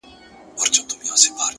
خپل ذهن د شک زندان مه جوړوئ,